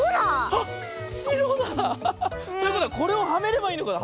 あっしろだ！ということはこれをはめればいいのかな？